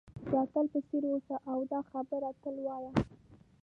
د اتل په څېر اوسه او دا خبره تل وایه.